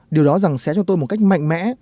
điều đó rằng sẽ cho tôi một cách mạnh mẽ